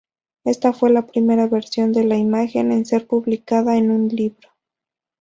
Esta fue la primera versión de la imagen en ser publicada en un libro.